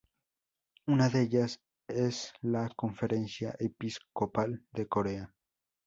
Una de ellas es la Conferencia Episcopal de Corea.